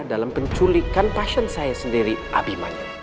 dalam penculikan pasien saya sendiri nabi manyo